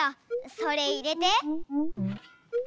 それいれて。